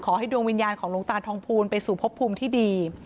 ดวงวิญญาณของหลวงตาทองภูลไปสู่พบภูมิที่ดี